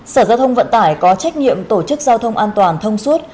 sở giao thông vận tải có trách nhiệm tổ chức giao thông an toàn thông suốt